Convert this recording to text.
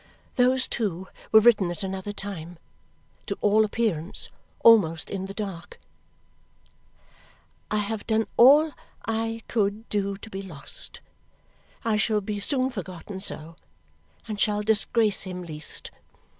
Those, too, were written at another time. To all appearance, almost in the dark: I have done all I could do to be lost. I shall be soon forgotten so, and shall disgrace him least.